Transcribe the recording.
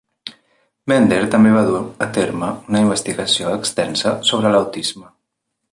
Bender també va dur a terme una investigació extensa sobre l'autisme.